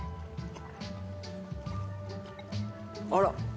あら。